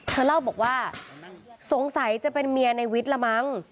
เธอเล่าบอกว่าสงสัยจะเป็นเมียในวิทย์ละมั้ง